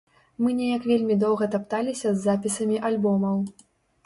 Мы неяк вельмі доўга тапталіся з запісамі альбомаў.